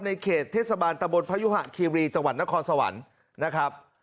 เขตเทศบาลตะบนพยุหะคีรีจังหวัดนครสวรรค์นะครับ